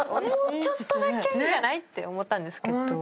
もうちょっとだけいいんじゃない？って思ったんですけど。